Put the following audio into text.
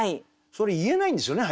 それ言えないんですよね